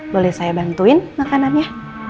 boleh saya bantuin makanannya